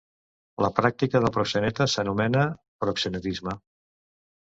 La pràctica del proxeneta s'anomena proxenetisme.